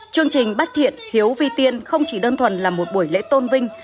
chương trình bách thiện hiếu vi tiên không chỉ đơn thuần là một buổi lễ tôn vinh